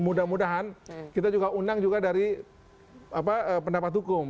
mudah mudahan kita juga undang juga dari pendapat hukum